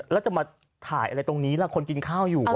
แล้วจะมาถ่ายอะไรตรงนี้ล่ะคนกินข้าวอยู่